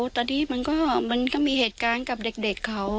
ตอนนี้มันก็มีเหตุการณ์กับเด็กเขา